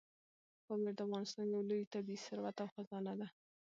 پامیر د افغانستان یو لوی طبعي ثروت او خزانه ده.